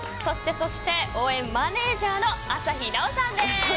そして応援マネージャーの朝日奈央さんです。